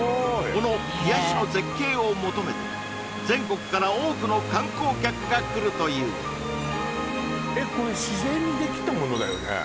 この癒やしの絶景を求めて全国から多くの観光客がくるというえっこれ自然にできたものだよね？